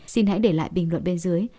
xin hãy để lại bình luận bên dưới